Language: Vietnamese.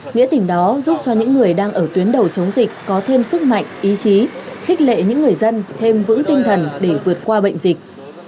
nghĩa tình đó giúp cho những người đang ở tuyến đầu chống dịch có thêm sức mạnh ý chí khích lệ những người dân thêm vững tinh thần để vượt qua bệnh dịch